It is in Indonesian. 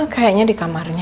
kayaknya di kamarnya